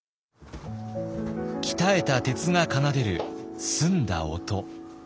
鍛えた鉄が奏でる澄んだ音。